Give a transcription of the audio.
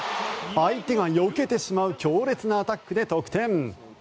相手がよけてしまう強烈なアタックで得点。